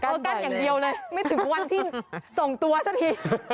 กั้นอย่างเดียวเลยไม่ถึงวันที่ส่งตัวซะที